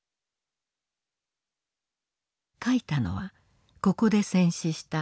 書いたのはここで戦死した